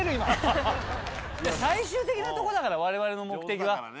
最終的なとこだから我々の目的は。